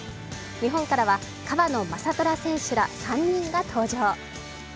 日本からは川野将虎選手ら３人が登場。